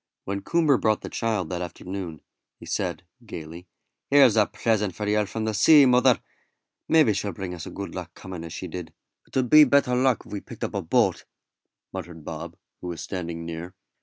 When Coomber brought the child that afternoon, he said, gaily: "Here's a present for yer from the sea, mother; maybe she'll bring us good luck coming as she did." "It 'ud be better luck if we'd picked up a boat," muttered Bob, who was standing near.